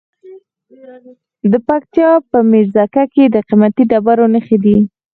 د پکتیا په میرزکه کې د قیمتي ډبرو نښې دي.